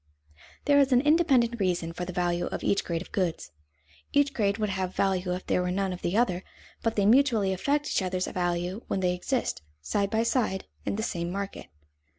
There is an independent reason for the value of each grade of goods; each grade would have value if there were none of the other, but they mutually affect each other's value when they exist, side by side, in the same market.